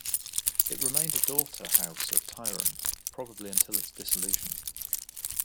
It remained a daughter house of Tiron, probably until its dissolution.